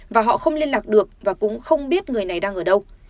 và họ không liên lạc được và cũng không biết người này đang ở đâu